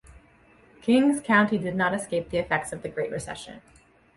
Kings County did not escape the effects of the Great Recession.